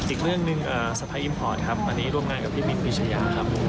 อีกเรื่องนึงสะพายอิมพอร์ตครับร่วมงานกับพี่นิดพิเศษยาครับ